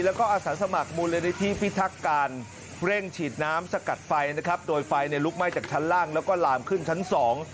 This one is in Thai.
แล้วก็อาสาสมัครมูลนิธิพิทักการเร่งฉีดน้ำสกัดไฟนะครับโดยไฟเนี่ยลุกไหม้จากชั้นล่างแล้วก็ลามขึ้นชั้นสอง